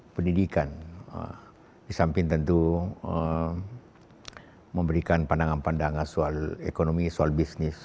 pendidikan di samping tentu memberikan pandangan pandangan soal ekonomi soal bisnis